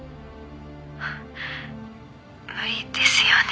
「無理ですよね。